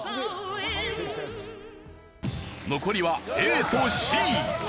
残りはＡとＣ。